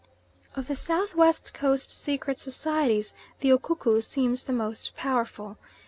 Of the South West Coast secret societies the Ukuku seems the most powerful.